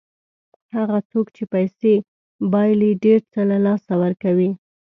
هغه څوک چې پیسې بایلي ډېر څه له لاسه ورکوي.